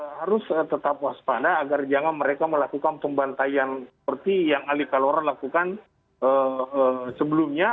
harus tetap waspada agar jangan mereka melakukan pembantaian seperti yang ali kalora lakukan sebelumnya